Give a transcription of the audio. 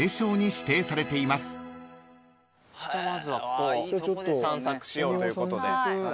じゃあまずはここ散策しようということで。